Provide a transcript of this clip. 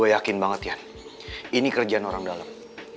saya yakin banget yan ini kerjaan orang dalam